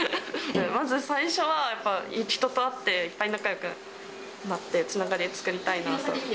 まず最初は、やっぱ人と会って、いっぱい仲よくなってつながりを作りたいなと。